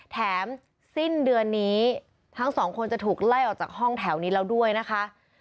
แถมสิ้นเดือนนี้ทั้งสองคนจะถูกไล่ออกจากห้องแถวนี้แล้วด้วยนะคะ